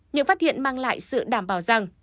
những phát hiện mang lại sự đảm bảo rằng